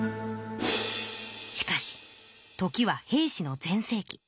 しかしときは平氏の全せい期。